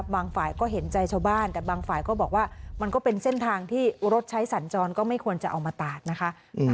ฝ่ายก็เห็นใจชาวบ้านแต่บางฝ่ายก็บอกว่ามันก็เป็นเส้นทางที่รถใช้สัญจรก็ไม่ควรจะเอามาตาดนะคะ